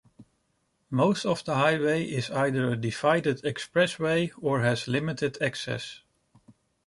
Most of the highway is either a divided expressway or has limited access.